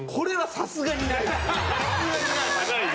さすがにない！